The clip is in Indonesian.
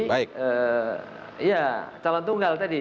jadi ya calon tunggal tadi